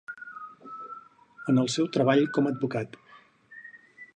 En el seu treball com a advocat.